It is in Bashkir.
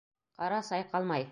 Ҡара, сайҡалмай.